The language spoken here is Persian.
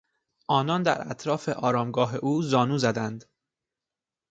آنان در اطراف آرامگاه او زانو زدند.